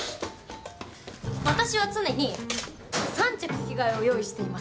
私は常に３着着替えを用意しています。